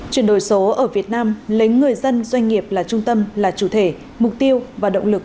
chuyển đổi số ở việt nam lấy người dân doanh nghiệp là trung tâm là chủ thể mục tiêu và động lực